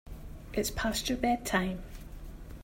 It's past your bedtime.